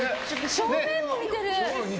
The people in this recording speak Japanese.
正面も似てる！